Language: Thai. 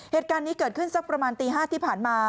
เหตุการณ์นี้เกิดขึ้นสักประมาณตี๕ที่ผ่านมา